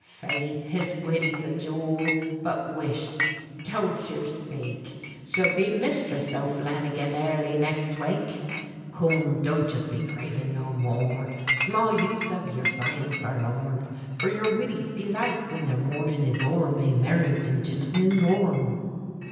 Faith! His widdy's a jewel! But whisht! don't ye shpake! She'll be Misthriss O'Flannigan airly nixt wake. Coom, don't yez be gravin' no more! Shmall use av yer sighin' forlorn; For yer widdies, belike, whin their mournin' is o'er, May marry some gintleman born.